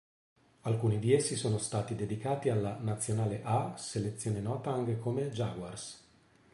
Alcuni di essi sono stati dedicati alla "Nazionale "A" selezione nota anche come "Jaguars"